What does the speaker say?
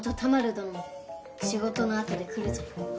どのも仕事のあとで来るぞよ。